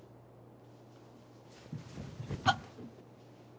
あっ。